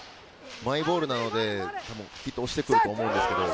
マイボールなので押してくると思うんですけれど。